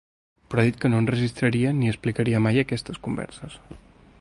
Però ha dit que no enregistraria ni explicaria mai aquestes converses.